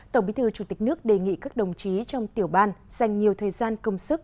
tổng bí thư chủ tịch nước đề nghị các đồng chí trong tiểu ban dành nhiều thời gian công sức